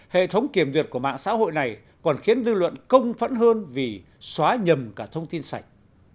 hệ thống kiểm duyệt của mạng xã hội này còn khiến dư luận công phẫn hơn vì xóa nhầm cả thông tin sạch